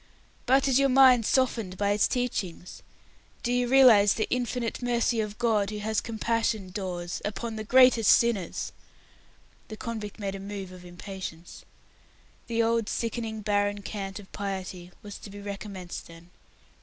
"But is your mind softened by its teachings? Do you realize the Infinite Mercy of God, Who has compassion, Dawes, upon the greatest sinners?" The convict made a move of impatience. The old, sickening, barren cant of piety was to be recommenced then.